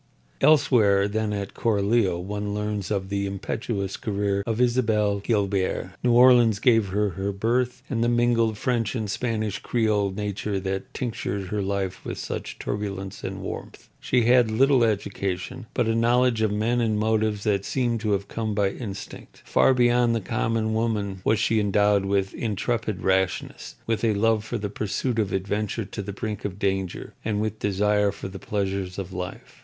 Elsewhere than at Coralio one learns of the impetuous career of Isabel Guilbert. New Orleans gave her birth and the mingled French and Spanish creole nature that tinctured her life with such turbulence and warmth. She had little education, but a knowledge of men and motives that seemed to have come by instinct. Far beyond the common woman was she endowed with intrepid rashness, with a love for the pursuit of adventure to the brink of danger, and with desire for the pleasures of life.